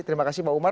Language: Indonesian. terima kasih pak umar